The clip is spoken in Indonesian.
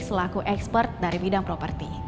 selaku ekspert dari bidang properti